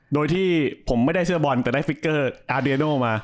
โดยที่ผมไม่ได้เสื้อบอลแต่ได้ฟิกเกอร์อาร์เดียโน่มา